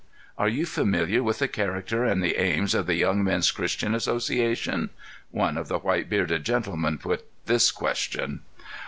"Are you familiar with the character and the aims of the Young Men's Christian Association?" One of the white bearded gentlemen put this question.